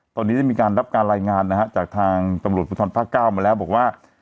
ตอนนี้ได้มีการรับการรายงานนะฮะจากทางตำรวจภูทรภาค๙มาแล้วบอกว่า